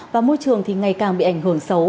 và môi trường thì ngày càng bị ảnh hưởng xấu